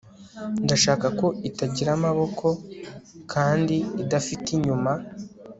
ndashaka ko itagira amaboko kandi idafite inyuma